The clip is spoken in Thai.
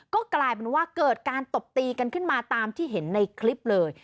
ก็กลายเป็นว่าเกิดการตบตีกันขึ้นมาตามที่เห็นในคลิปเลย